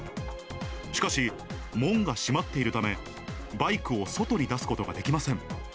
しかし、門が閉まっているため、バイクを外に出すことができません。